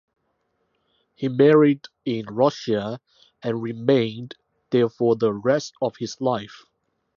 He married in Russia and remained there for the rest of his life.